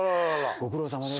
ご苦労さまです。